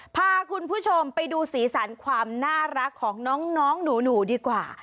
พาคุณผู้ชมไปดูสีสันความน่ารักของน้องหนูดีกว่า